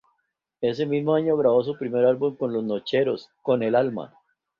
Ese mismo año grabó su primer álbum con Los Nocheros, "Con el alma".